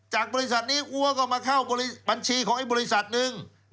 บริษัทนี้อัวก็มาเข้าบัญชีของไอ้บริษัทหนึ่ง